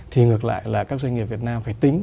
thì ngược lại là các doanh nghiệp việt nam phải tính